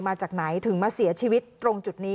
มาจากไหนถึงมาเสียชีวิตตรงจุดนี้